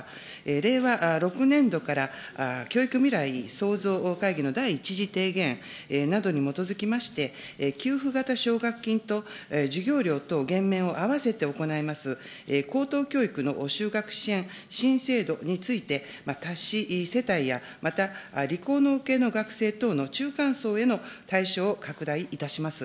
令和６年度から、教育未来創造会議の第１次提言などに基づきまして、給付型奨学金と、授業料等減免をあわせて行います、高等教育の就学支援制度について、多子世帯やまた理工農系の学生等の中間層への対象を拡大いたします。